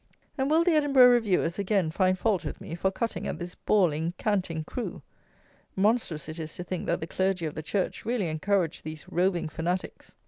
And will the Edinburgh Reviewers again find fault with me for cutting at this bawling, canting crew? Monstrous it is to think that the Clergy of the Church really encourage these roving fanatics.